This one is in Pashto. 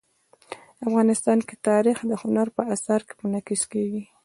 افغانستان کې تاریخ د هنر په اثار کې منعکس کېږي.